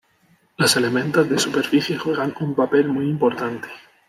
Los elementos de superficie juegan un papel muy importante.